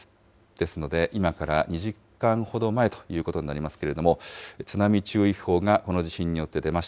ですので、今から２時間ほど前ということになりますけれども、津波注意報がこの地震によって出ま